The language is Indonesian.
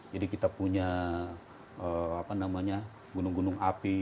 jadi kita punya gunung gunung api